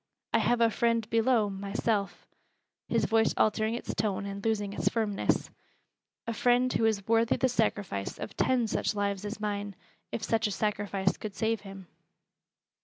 I have a friend below myself," his voice altering its tone and losing its firmness, "a friend who is worthy the sacrifice of ten such lives as mine, if such a sacrifice could save him."